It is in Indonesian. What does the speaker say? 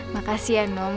makasih ya nom